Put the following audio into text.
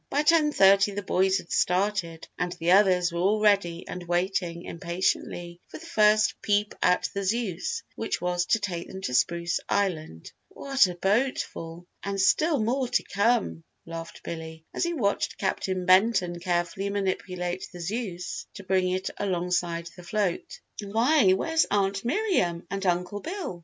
By ten thirty the boys had started and the others were all ready and waiting impatiently for the first peep at the Zeus which was to take them to Spruce Island. "What a boatful! And still more to come," laughed Billy, as he watched Captain Benton carefully manipulate the Zeus to bring it alongside the float. "Why, where's Aunt Miriam and Uncle Bill?"